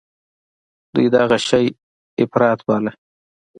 دوى دغه شى اپرات باله.